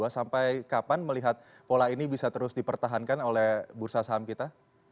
sampai kapan melihat pola ini bisa terus dipertahankan oleh bursa saham kita